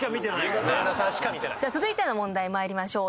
続いての問題まいりましょう。